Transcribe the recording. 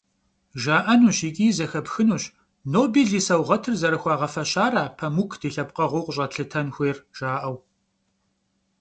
ЖаӀэнущ, икӀи зэхэпхынущ, Нобель и саугъэтыр зэрыхуагъэфэщара Памук ди лъэпкъэгъуу къыщӀэтлъытэн хуейр, жаӀэу.